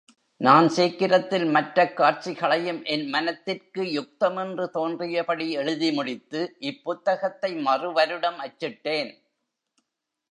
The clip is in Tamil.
நான் சீக்கிரத்தில் மற்றக் காட்சிகளையும் என் மனத்திற்கு யுக்தமென்று தோன்றியபடி எழுதி முடித்து இப் புத்தகத்தை மறுவருடம் அச்சிட்டேன்.